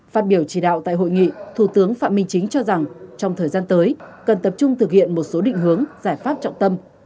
phát biểu chỉ đạo tại hội nghị thủ tướng phạm minh chính cho rằng trong thời gian tới cần tập trung thực hiện một số định hướng giải pháp trọng tâm